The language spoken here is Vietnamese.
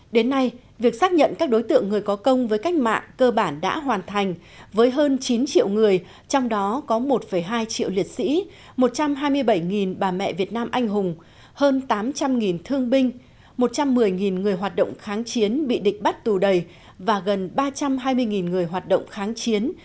đến nay việc xác nhận các đối tượng người có công với cách mạng cơ bản đã hoàn thành với hơn chín triệu người trong đó có một hai triệu liệt sĩ một trăm hai mươi bảy bà mẹ việt nam anh hùng hơn tám trăm linh thương binh một trăm một mươi người hoạt động kháng chiến bị địch bắt tù đầy và gần ba trăm hai mươi người hoạt động kháng chiến